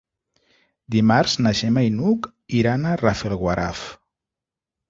Dimarts na Gemma i n'Hug iran a Rafelguaraf.